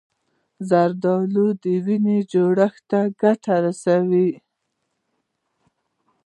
زردالو د وینې جوړښت ته ګټه رسوي.